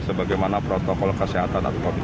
sebagaimana protokol kesehatan atau covid sembilan belas